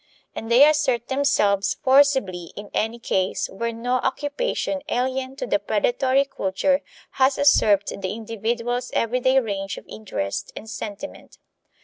And they assert themselves forcibly in any case where no occupation alien to the predatory culture has usurped the individual's everyday range of interest and sentiment.